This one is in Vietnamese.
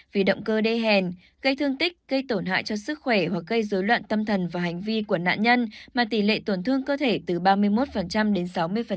vì động cơ đê hèn gây thương tích gây tổn hại cho sức khỏe hoặc gây dối loạn tâm thần và hành vi của nạn nhân mà tỷ lệ tổn thương cơ thể từ ba mươi một đến sáu mươi